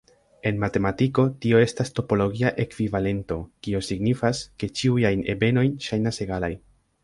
En matematiko, tio estas topologia ekvivalento, kio signifas, ke ĉiuj ajn ebenoj ŝajnas egalaj.